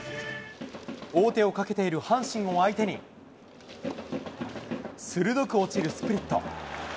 王手をかけている阪神を相手に、鋭く落ちるスプリット。